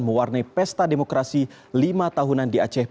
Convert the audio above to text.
mewarnai pesta demokrasi lima tahunan di aceh